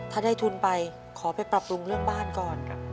ถ้าได้ทุนไปขอไปปรับปรุงเรื่องบ้านก่อน